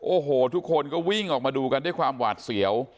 โอ้โหทุกคนก็วิ่งออกมาดูกันด้วยความหวาดเสียว